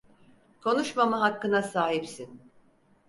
Konuşmama hakkına sahipsin.